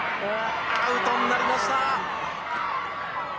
アウトになりました。